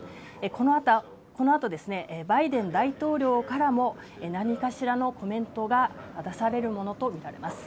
この後ですねバイデン大統領からも何かしらのコメントが出されるものとみられます。